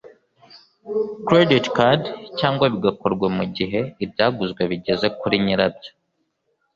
Credit Card cyangwa bigakorwa mu gihe ibyaguzwe bigeze kuri nyirabyo